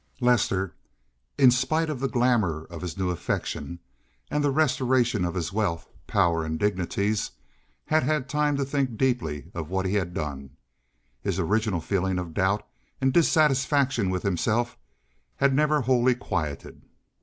Lester, in spite of the glamor of his new affection and the restoration of his wealth, power, and dignities, had had time to think deeply of what he had done. His original feeling of doubt and dissatisfaction with himself had never wholly quieted.